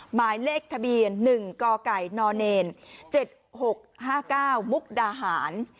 หมายเลขทะเบียน๑กกน๗๖๕๙มุกดาหาร